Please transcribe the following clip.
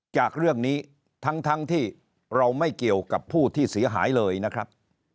จากเรื่องนี้ทั้งที่เราไม่เกี่ยวกับผู้ที่เสียหายเลยนะครับ